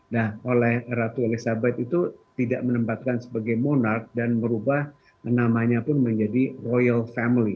nah oleh ratu elizabeth itu tidak menempatkan sebagai monar dan merubah namanya pun menjadi royal family